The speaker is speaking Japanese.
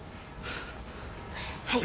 はい。